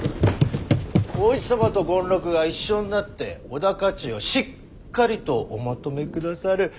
お市様と権六が一緒になって織田家中をしっかりとおまとめくださる。